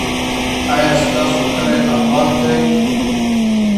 ایا ستاسو کلی اباد دی؟